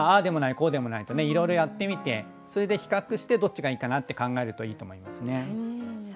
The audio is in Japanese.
こうでもないといろいろやってみてそれで比較してどっちがいいかなって考えるといいと思いますね。